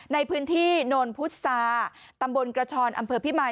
ในพื้นที่โนนพุษาตำบลกระชอนอำเภอพิมาย